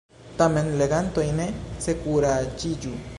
Tamen, legantoj, ne senkuraĝiĝu.